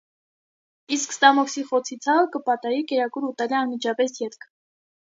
Իսկ ստամոքսի խոցի ցաւը կը պատահի կերակուր ուտելէ անմիջապէս ետք։